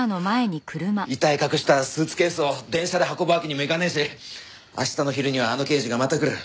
遺体隠したスーツケースを電車で運ぶわけにもいかねえし明日の昼にはあの刑事がまた来る。